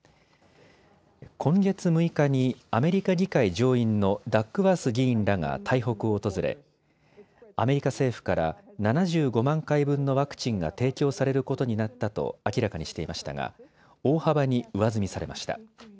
今月６日にアメリカ議会上院のダックワース議員らが台北を訪れアメリカ政府から７５万回分のワクチンが提供されることになったと明らかにしていましたが大幅に上積みされました。